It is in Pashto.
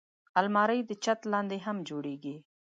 الماري د چت لاندې هم جوړېږي